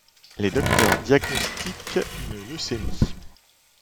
Les docteurs diagnostiquent une leucémie.